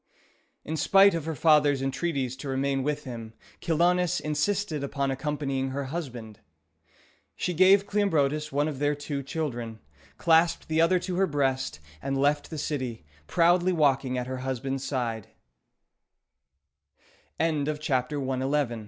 In spite of her father's entreaties to remain with him, Chilonis insisted upon accompanying her husband. She gave Cleombrotus one of their two children, clasped the other to her breast, and left the city, proudly walking at her husb